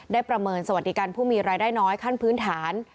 ประเมินสวัสดิการผู้มีรายได้น้อยขั้นพื้นฐาน